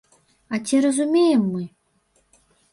А ці разумеем мы?